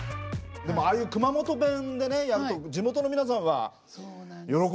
でもああいう熊本弁でねやると地元の皆さんは喜ばれるんじゃないですか？